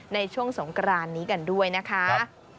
ในช่วงสงกรานนี้กันด้วยนะคะ